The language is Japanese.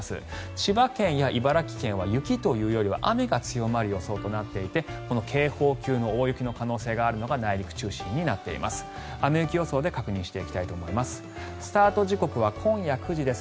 千葉県や茨城県は雪というよりは雨が強まる予想となっていて警報級の大雪の可能性があるのが内陸中心になっています。